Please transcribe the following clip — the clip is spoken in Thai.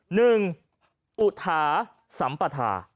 หนึ่งอุทาสัมปทา